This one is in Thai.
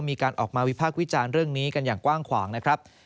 มีการออกมาวิพากษ์วิจารณ์เรื่องนี้กันอย่างกว้างขวางนะครับ